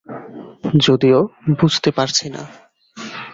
যদিও বুঝতে পারছি না।